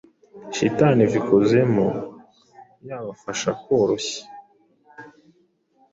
Shitani iva ikuzimu yabafasha koroshya